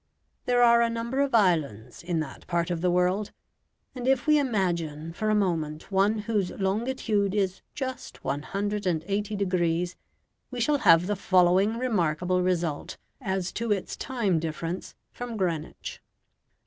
There are a number of islands in that part of the world, and if we imagine for a moment one whose longitude is just 180 degrees, we shall have the following remarkable result as to its time difference from Greenwich.